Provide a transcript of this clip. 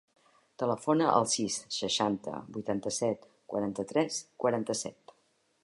Telefona al sis, seixanta, vuitanta-set, quaranta-tres, quaranta-set.